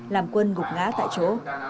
làm quân gục ngã tại chỗ